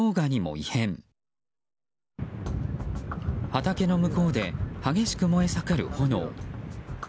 畑の向こうで激しく燃え盛る炎。